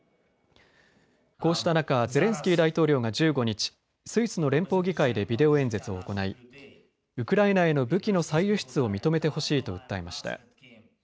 こうした中ゼレンスキー大統領が１５日、スイスの連邦議会でビデオ演説を行いウクライナへの武器の再輸出を認めてほしいと訴えました。